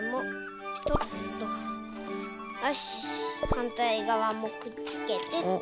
はんたいがわもくっつけてっと。